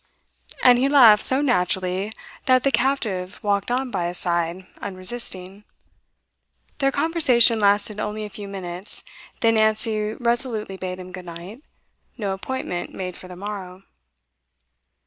And he laughed so naturally, that the captive walked on by his side, unresisting. Their conversation lasted only a few minutes, then Nancy resolutely bade him good night, no appointment made for the morrow.